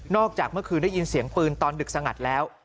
จากเมื่อคืนได้ยินเสียงปืนตอนดึกสงัดแล้ว